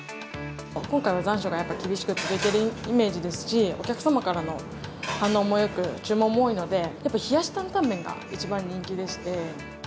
今回は残暑がやっぱり厳しく続いてるイメージですし、お客様からの反応もよく、注文も多いので、やっぱり冷やし担々麺が一番人気でして。